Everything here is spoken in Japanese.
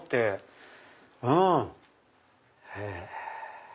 うんへぇ。